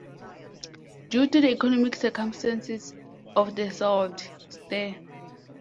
Due to the economic circumstances of the Sault Ste.